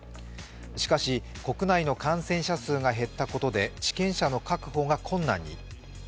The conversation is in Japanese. しかし、国内の感染者数が減ったことで治験者の確保が困難に。